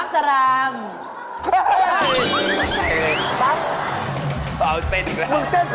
เจ้นเพื่อ